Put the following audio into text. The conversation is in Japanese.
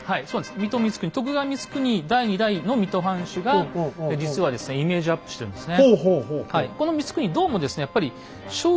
水戸光圀徳川光圀第２代の水戸藩主が実はですねイメージアップしてるんですね。